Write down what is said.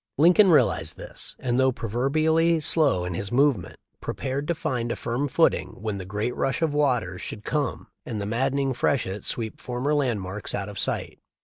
Lincoln realized this and, though pro verbially slow in his movements, prepared to find a firm footing when the great rush of waters should come and the maddening freshet sweep former landmarks out of sight.